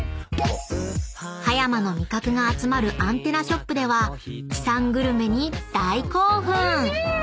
［葉山の味覚が集まるアンテナショップでは地産グルメに大興奮！］